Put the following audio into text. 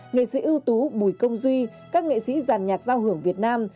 nghệ sĩ ưu tú bùi công duy các nghệ sĩ giàn nhạc giao hưởng việt nam